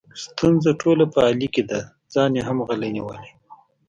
ستونزه ټوله په علي کې ده، ځان یې هم غلی نیولی دی.